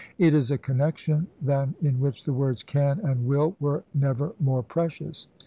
It is a connection, than in which the words "caw" and '^wilV^ were never more precious.